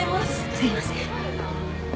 すいません。